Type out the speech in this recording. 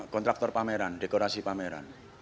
kontraktor pameran dekorasi pameran